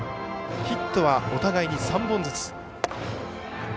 ヒットはお互い、３本ずつ。